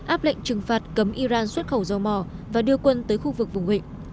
áp lệnh trừng phạt cấm iran xuất khẩu dầu mò và đưa quân tới khu vực vùng vịnh